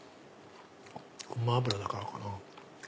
ごま油だからかな。